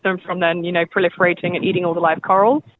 dan memakan semua karang hidup